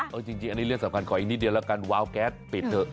เอาจริงอันนี้เรื่องสำคัญขออีกนิดเดียวแล้วกันวาวแก๊สปิดเถอะ